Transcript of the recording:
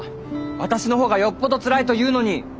私の方がよっぽどつらいというのに。